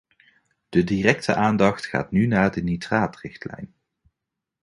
De directe aandacht gaat nu naar de nitraatrichtlijn.